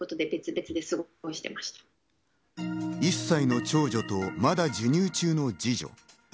１歳の長女とまだ授乳中の二女。